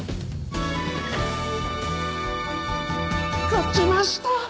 勝ちました！